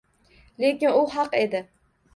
Lekin u haq edi